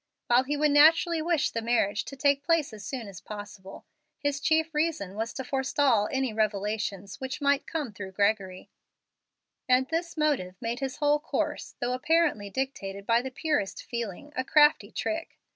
While he would naturally wish the marriage to take place as soon as possible, his chief reason was to forestall any revelations which might come through Gregory; and this motive made his whole course, though apparently dictated by the purest feeling, a crafty trick.